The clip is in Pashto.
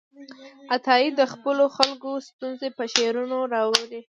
عطايي د خپلو خلکو ستونزې په شعرونو کې راواړولې.